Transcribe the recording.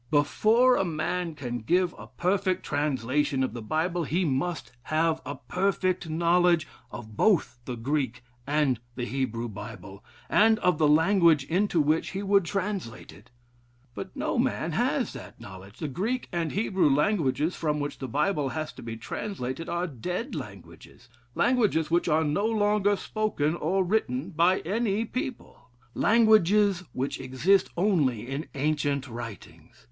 Before a man can give a perfect translation of the Bible, he must have a perfect knowledge of both the Greek and Hebrew Bible, and of the language into which he would translate it. But no man has that knowledge. The Greek and Hebrew languages, from which the Bible has to be translated, are dead languages languages which are no longer spoken or written by any people languages which exist only in ancient writings.